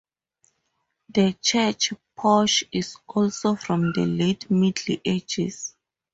The church porch is also from the late Middle Ages.